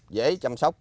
dễ chăm sóc